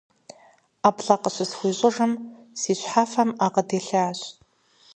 ӀэплӀэ къыщысхуищӀыжым, си щхьэфэм Ӏэ къыдилъащ.